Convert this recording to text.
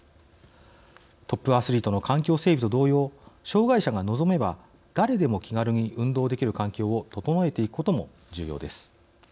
トップアスリートの環境整備と同様障害者が望めば誰でも気軽に運動できる環境を整えていくことも重要です。